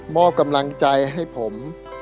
อบกำลังใจให้ผม